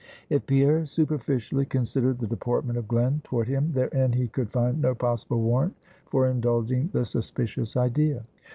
If Pierre superficially considered the deportment of Glen toward him, therein he could find no possible warrant for indulging the suspicious idea.